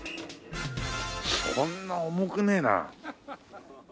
そんな重くねえな。